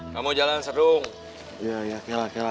kamu jalan seru ya ya kira kira